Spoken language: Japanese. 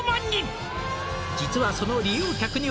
「実はその」